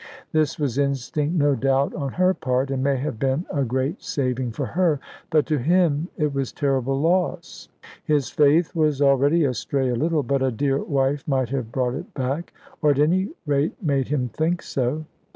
This was instinct, no doubt, on her part, and may have been a great saving for her; but to him it was terrible loss. His faith was already astray a little; but a dear wife might have brought it back, or at any rate made him think so.